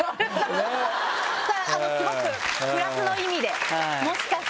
スゴくプラスの意味でもしかしたらって。